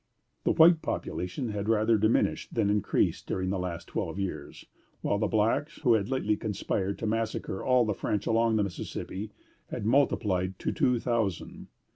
The white population had rather diminished than increased during the last twelve years, while the blacks, who had lately conspired to massacre all the French along the Mississippi, had multiplied to two thousand.